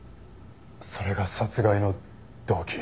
それが殺害の動機。